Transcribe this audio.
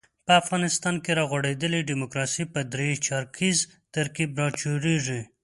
په افغانستان کې را غوړېدلې ډیموکراسي پر درې چارکیز ترکیب راچورلېږي.